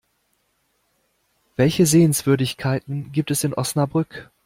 Welche Sehenswürdigkeiten gibt es in Osnabrück?